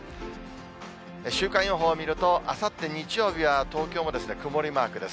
週間予報見ると、あさって日曜日は東京もですね、曇りマークです。